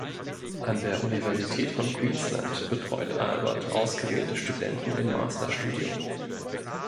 An der Universität von Queensland betreut Albert ausgewählte Studenten im Masterstudium.